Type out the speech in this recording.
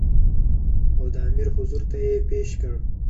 او د امیر حضور ته یې پېش کړ.